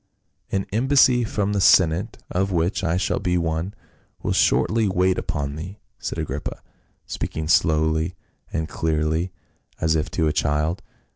" An embassy from the senate — of which I shall be one — will shortly wait upon thee," said Agrippa, speaking slowly and clearly as if to a child.